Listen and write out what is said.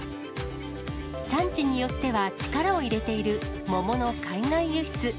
産地によっては、力を入れている桃の海外輸出。